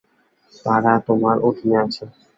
তারা তোমার অধীনে আছে।